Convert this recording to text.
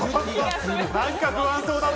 何か不安そうだぞ。